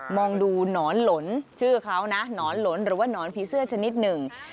มองดูหนอนหล่นชื่อเขานะหนอนหลนหรือว่าหนอนผีเสื้อชนิดหนึ่ง